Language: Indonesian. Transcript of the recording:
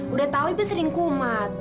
udah tau itu sering kumat